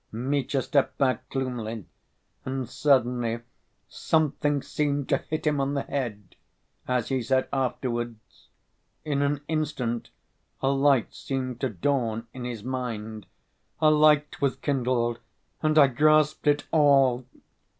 Mitya stepped back gloomily, and suddenly "something seemed to hit him on the head," as he said afterwards. In an instant a light seemed to dawn in his mind, "a light was kindled and I grasped it all."